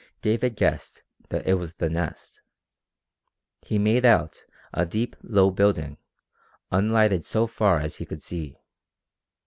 David guessed that it was the Nest. He made out a deep, low building, unlighted so far as he could see.